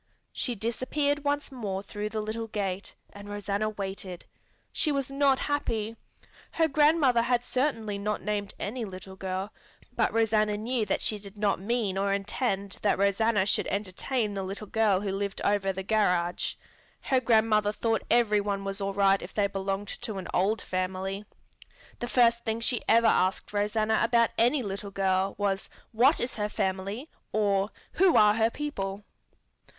She disappeared once more through the little gate, and Rosanna waited. She was not happy. Her grandmother had certainly not named any little girl, but Rosanna knew that she did not mean or intend that Rosanna should entertain the little girl who lived over the garage. Her grandmother thought every one was all right if they belonged to an old family. The first thing she ever asked Rosanna about any little girl was "What is her family?" or "Who are her people?"